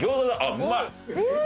うまい！